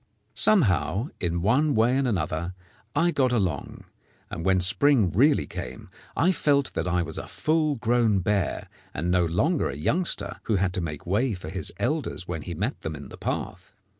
Somehow, in one way and another, I got along, and when spring really came I felt that I was a full grown bear, and no longer a youngster who had to make way for his elders when he met them in the path.